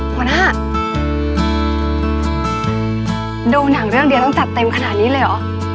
หัวหน้าดูหนังเรื่องเดียวต้องจัดเต็มขนาดนี้เลยเหรอ